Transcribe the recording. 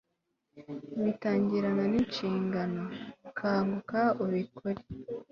bitangirana ninshingano .. kanguka ubikore